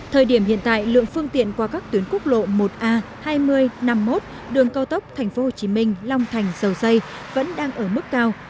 thời điểm hiện tại lượng phương tiện qua các tuyến quốc lộ một a hai mươi năm mươi một đường cao tốc tp hcm long thành dầu dây vẫn đang ở mức cao